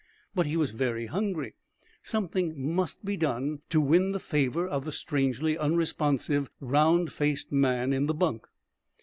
But he was very hungry. Something must be done to win the favor of the strangely unresponsive round faced man in the bunk.